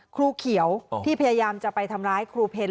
ครูเขียวที่พยายามจะไปทำร้ายครูเพ็ญ